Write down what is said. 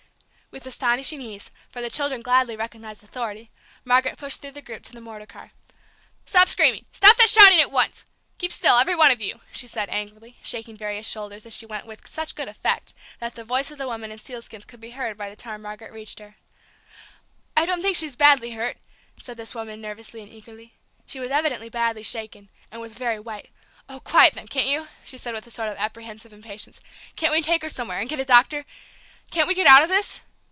With astonishing ease, for the children gladly recognized authority, Margaret pushed through the group to the motor car. "Stop screaming stop that shouting at once keep still, every one of you!" she said angrily, shaking various shoulders as she went with such good effect that the voice of the woman in sealskins could be heard by the time Margaret reached her. "I don't think she's badly hurt!" said this woman, nervously and eagerly. She was evidently badly shaken, and was very white. "Do quiet them, can't you?" she said, with a sort of apprehensive impatience. "Can't we take her somewhere, and get a doctor? Can't we get out of this?"